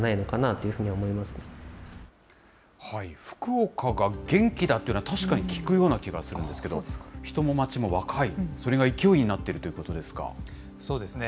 福岡が元気だというのは、確かに聞くような気がするんですけれども、人も街も若い、それが勢いになっているということですか。